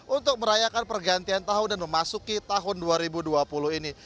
untuk merayakan pergantian tahun dan memasuki tahun dua ribu dua puluh ini